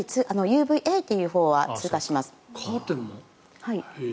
ＵＶＡというほうは通過します。